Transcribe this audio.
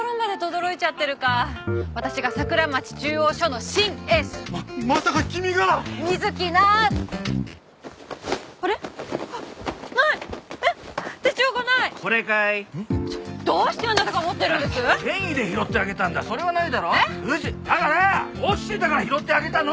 落ちてたから拾ってあげたの！